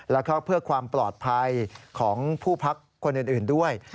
แล้วก็เพื่อความปลอดภัยของผู้พักคนอื่นด้วย